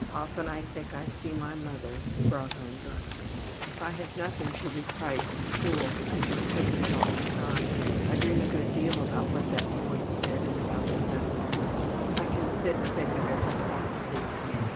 Often I think I see my mother brought home drunk. ``If I have anything to recite in school I just think of it all the time. I dream a good deal about what that boy did and about these other things. I can sit and think of everything he did to me.